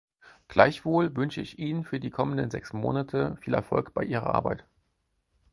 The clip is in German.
Gleichwohl wünsche ich Ihnen für die kommenden sechs Monate viel Erfolg bei Ihrer Arbeit.